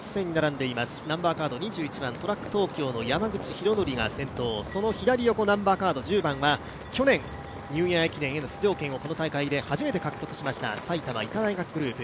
２１番、ＴＲＡＣＫＴＯＫＹＯの山口大徳が先頭、その左横ナンバーカード１０番は去年ニューイヤー駅伝の出場権を初めて獲得した埼玉医科大学グループ。